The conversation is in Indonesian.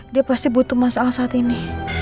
dia pasti butuh masalah saat ini